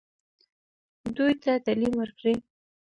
دوی ته تعلیم ورکړئ